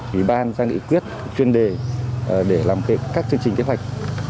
ủy ban ra nghị quyết chuyên đề để làm các chương trình kế hoạch